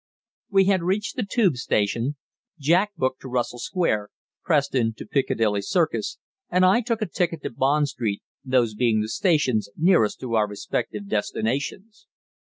We had reached the Tube station. Jack booked to Russell Square; Preston to Piccadilly Circus; and I took a ticket to Bond Street, those being the stations nearest to our respective destinations.